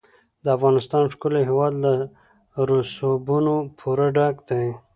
د افغانستان ښکلی هېواد له رسوبونو پوره ډک دی.